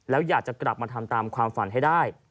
แล้วอยากจะกลับมาทำตามความฝันให้ได้